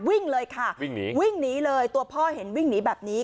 วิ่งเลยค่ะวิ่งหนีวิ่งหนีเลยตัวพ่อเห็นวิ่งหนีแบบนี้